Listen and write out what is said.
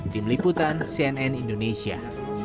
tim liputan cnn indonesia